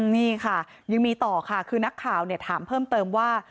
นี่ค่ะยังมีต่อค่ะคือนักข่าวถามเพิ่มเติมว่า